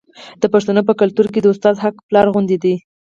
د پښتنو په کلتور کې د استاد حق د پلار غوندې دی.